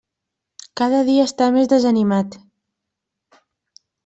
Cada dia està més desanimat.